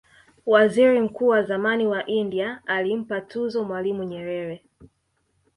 waziri mkuu wa zamani wa india alimpa tuzo mwalimu nyerere